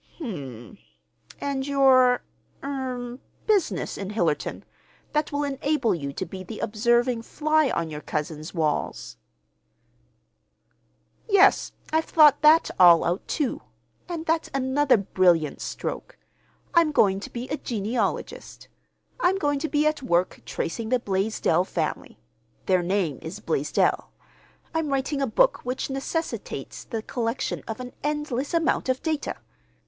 "Hm m. And your—er—business in Hillerton, that will enable you to be the observing fly on your cousins' walls?" "Yes, I've thought that all out, too; and that's another brilliant stroke. I'm going to be a genealogist. I'm going to be at work tracing the Blaisdell family—their name is Blaisdell. I'm writing a book which necessitates the collection of an endless amount of data.